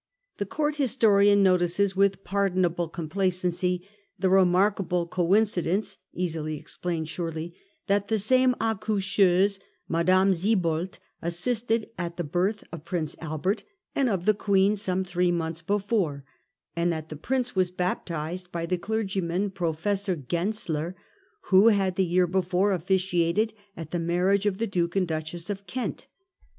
The Court historian notices with pardonable complacency the 'remark able coincidence '— easily explained, surely — that the same accoucheuse, Madame Siebold, assisted at the birth of Prince Albert, and of the Queen some three months before, and that the Prince was baptised by the clergyman, Professor Genzler, who had the year before officiated at the marriage of the Duke and Duchess of Kent.